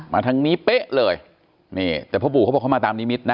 ทางนี้เป๊ะเลยนี่แต่พ่อปู่เขาบอกเขามาตามนิมิตนะ